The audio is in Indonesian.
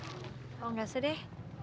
oh nggak sih deh